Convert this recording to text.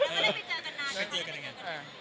ไปเจอกันไง